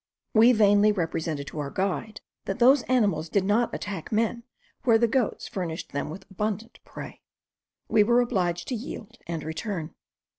We vainly represented to our guide that those animals did not attack men where the goats furnished them with abundant prey; we were obliged to yield, and return.